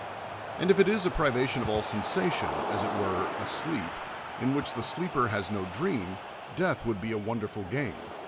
And if it is a privation of all sensation, as it were, a sleep in which the sleeper has no dr(\'un, death Avould be a wonderful gain.